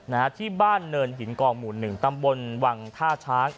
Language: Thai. นะฮะที่บ้านเนินหินกองหมู่หนึ่งตำบลวังท่าช้าง